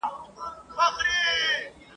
چي خالق د لمر او مځکي او اسمان !.